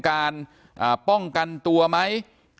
การแก้เคล็ดบางอย่างแค่นั้นเอง